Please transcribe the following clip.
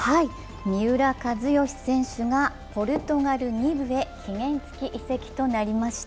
三浦知良選手がポルトガル２部へ期限付き移籍となりました。